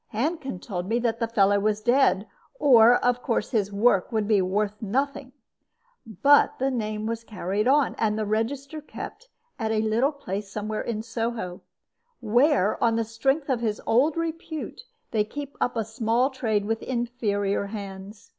Handkin told me the fellow was dead, or, of course, his work would be worth nothing; but the name was carried on, and the register kept, at a little place somewhere in Soho, where, on the strength of his old repute, they keep up a small trade with inferior hands.